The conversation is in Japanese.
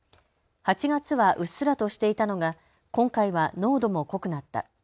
８月はうっすらとしていたのが今回は濃度も濃くなった。